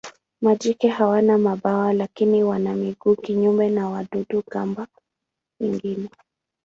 Majike hawana mabawa lakini wana miguu kinyume na wadudu-gamba wengine.